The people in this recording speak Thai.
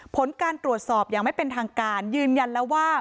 ผลการตรวจสอบอย่างไม่เป็นทางการยืนยันแล้วว่า